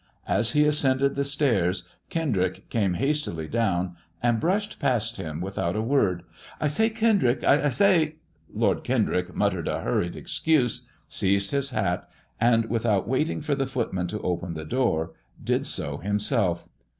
As he ascended the stairs, Kendrick came hastily down, and brushed past him withoal a word. I say, Kendrick ! I say !" Lord Kendrick muttered a hurried excuse, seized his htA, and without waiting for the footman to open the door, did so himself.